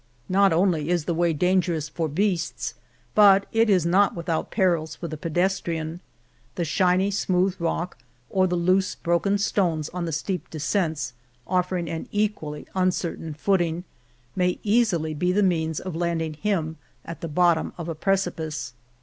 Not only is the way dangerous for beasts, but it is not without perils for the pedestrian. The shiny, smooth rock or the loose, broken stones on the steep descents offering an equally uncertain footing, may easily be the means of landing him at the bottom of a precipice.